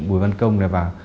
bùi văn công này vào